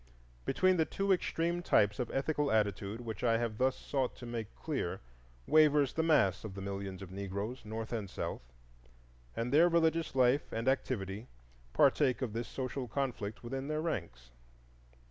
Between the two extreme types of ethical attitude which I have thus sought to make clear wavers the mass of the millions of Negroes, North and South; and their religious life and activity partake of this social conflict within their ranks.